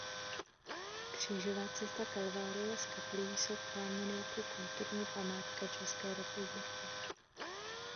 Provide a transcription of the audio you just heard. Křížová cesta Kalvárie s kaplí jsou chráněny jako Kulturní památka České republiky.